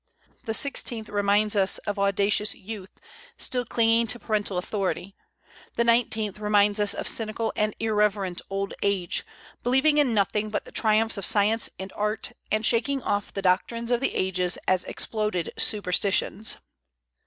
The sixteenth reminds us of audacious youth, still clinging to parental authority; the nineteenth reminds us of cynical and irreverent old age, believing in nothing but the triumphs of science and art, and shaking off the doctrines of the ages as exploded superstitions.